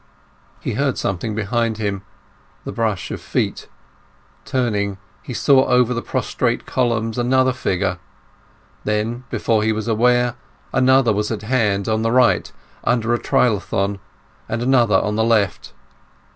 He heard something behind him, the brush of feet. Turning, he saw over the prostrate columns another figure; then before he was aware, another was at hand on the right, under a trilithon, and another on the left.